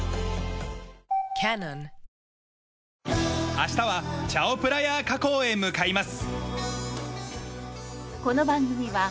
明日はチャオプラヤー河口へ向かいます。